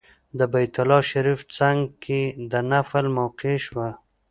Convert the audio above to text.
د بیت الله شریف څنګ کې د نفل موقع شوه.